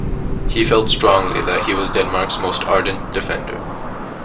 He felt strongly that he was Denmark's most ardent defender.